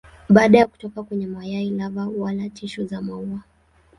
Baada ya kutoka kwenye mayai lava wala tishu za maua.